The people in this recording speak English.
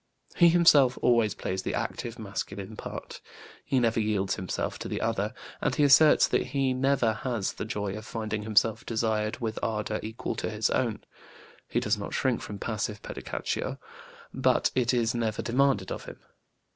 He himself always plays the active, masculine part. He never yields himself to the other, and he asserts that he never has the joy of finding himself desired with ardor equal to his own. He does not shrink from passive pedicatio; but it is never demanded of him.